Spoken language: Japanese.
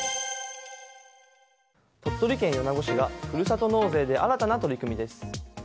鳥取県米子市がふるさと納税で新たな取り組みです。